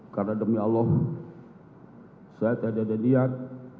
karena demi allah saya tidak ada niat